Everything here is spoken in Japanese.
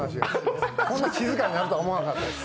こんな静かになるとは思わなかったです。